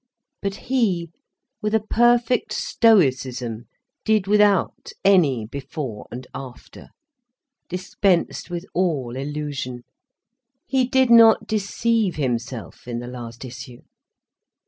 But he, with a perfect stoicism, did without any before and after, dispensed with all illusion. He did not deceive himself in the last issue.